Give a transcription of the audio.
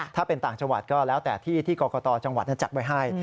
ถ้าเป็นต่างจังหวัดก็แล้วแต่ที่กรกตจังหวัดจัดไว้ให้